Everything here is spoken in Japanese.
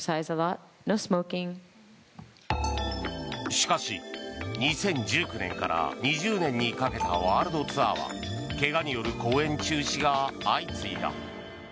しかし、２０１９年から２０年にかけたワールドツアーは怪我による公演中止が相次いだ。